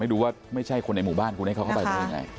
ดูว่าไม่ใช่คนในหมู่บ้านคุณให้เขาเข้าไปได้ยังไง